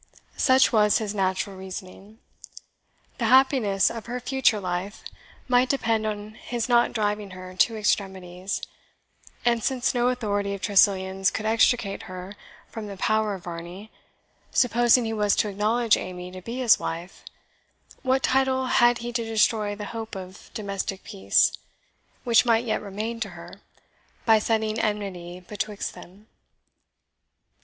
Such was his natural reasoning. The happiness of her future life might depend upon his not driving her to extremities; and since no authority of Tressilian's could extricate her from the power of Varney, supposing he was to acknowledge Amy to be his wife, what title had he to destroy the hope of domestic peace, which might yet remain to her, by setting enmity betwixt them?